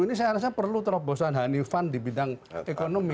ini saya rasa perlu terobosan honey fund di bidang ekonomi